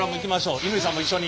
乾さんも一緒に。